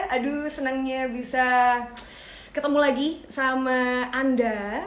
aduh senangnya bisa ketemu lagi sama anda